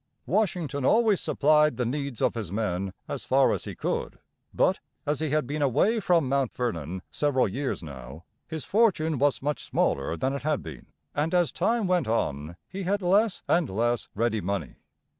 Washington always supplied the needs of his men as far as he could; but as he had been away from Mount Vernon several years now, his fortune was much smaller than it had been, and as time went on he had less and less ready money.